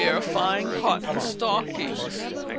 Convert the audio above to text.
Fine Cotton Stockings.